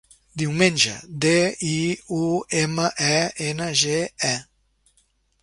Diumenge: de, i, u, ema, e, ena, ge, e.